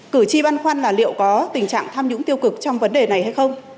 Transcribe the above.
cử tri băn khoăn là liệu có tình trạng tham nhũng tiêu cực trong vấn đề này hay không